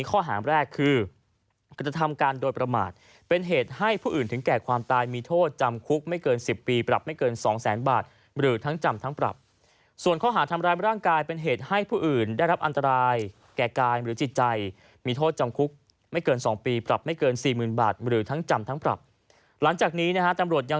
ข้อหาแรกคือกระทำการโดยประมาทเป็นเหตุให้ผู้อื่นถึงแก่ความตายมีโทษจำคุกไม่เกินสิบปีปรับไม่เกินสองแสนบาทหรือทั้งจำทั้งปรับส่วนข้อหาทำร้ายร่างกายเป็นเหตุให้ผู้อื่นได้รับอันตรายแก่กายหรือจิตใจมีโทษจำคุกไม่เกินสองปีปรับไม่เกินสี่หมื่นบาทหรือทั้งจำทั้งปรับหลังจากนี้นะฮะตำรวจยัง